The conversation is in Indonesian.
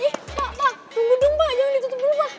ih pak pak tunggu dong pak jangan ditutup dulu pak